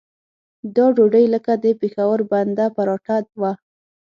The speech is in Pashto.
دا ډوډۍ لکه د پېښور بنده پراټه وه.